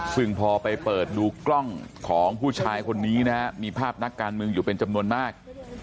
ซึ่งพอไปเปิดดูกล้องของผู้ชายคนนี้นะฮะมีภาพนักการเมืองอยู่เป็นจำนวนมาก